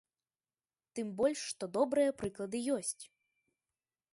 Тым больш што добрыя прыклады ёсць.